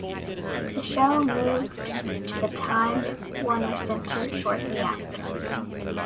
The show moved to the Time Warner Center shortly after.